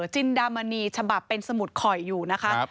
จินดามณีฉบับเป็นสมุดข่อยอยู่นะคะ